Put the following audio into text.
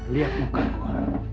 lihat muka gue